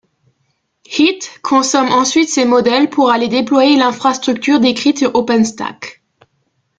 Heat consomme ensuite ces modèles pour aller déployer l'infrastructure décrite sur Openstack.